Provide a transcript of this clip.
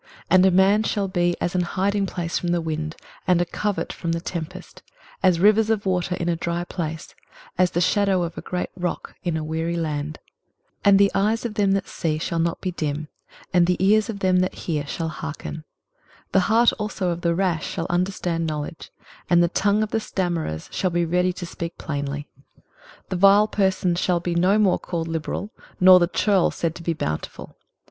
23:032:002 And a man shall be as an hiding place from the wind, and a covert from the tempest; as rivers of water in a dry place, as the shadow of a great rock in a weary land. 23:032:003 And the eyes of them that see shall not be dim, and the ears of them that hear shall hearken. 23:032:004 The heart also of the rash shall understand knowledge, and the tongue of the stammerers shall be ready to speak plainly. 23:032:005 The vile person shall be no more called liberal, nor the churl said to be bountiful.